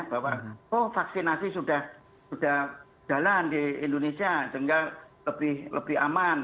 bahwa oh vaksinasi sudah jalan di indonesia sehingga lebih aman